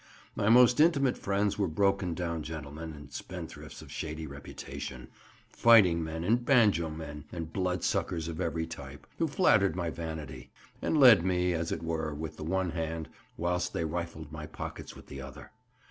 My most intimate friends were broken down gentlemen and spendthrifts of shady reputation; fighting men and banjo men, and blood suckers of every type, who flattered my vanity, and led me as it were, with the one hand, whilst they rifled my pockets with the other.